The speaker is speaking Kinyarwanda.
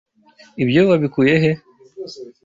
Ibyo wabikuye he?